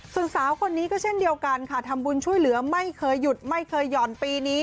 ส่วนสาวคนนี้ก็เช่นเดียวกันค่ะทำบุญช่วยเหลือไม่เคยหยุดไม่เคยห่อนปีนี้